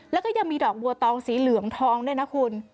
แล้วก็ยังมีดอกบัวตองสีเหลืองทองด้วยนะคุณ